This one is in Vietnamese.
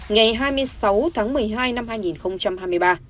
ngày hai mươi sáu tháng một mươi hai năm hai nghìn hai mươi ba